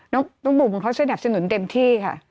น้องบุ๋มเขา๑๑๒สนุนเต็มที่ค่ะ